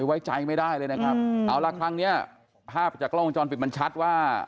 ไว้ใจไม่ได้เลยนะครับเอาละครั้งเนี้ยภาพจากกล้องวงจรปิดมันชัดว่า